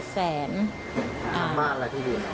ทั้งบ้านอะไรที่ดิน